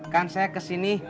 kan saya kesini